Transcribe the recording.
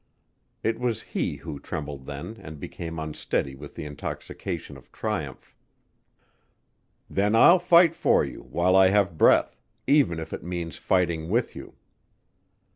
It was he who trembled then and became unsteady with the intoxication of triumph. "Then I'll fight for you, while I have breath, even if it means fighting with you."